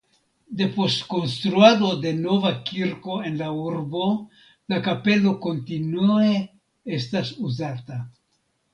Depost konstruado de nova kirko en la urbo la kapelo kontinuue estas uzata.